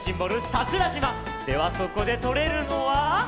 桜島！ではそこでとれるのは。